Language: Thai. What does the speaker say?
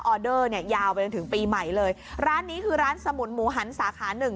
เดอร์เนี่ยยาวไปจนถึงปีใหม่เลยร้านนี้คือร้านสมุนหมูหันสาขาหนึ่ง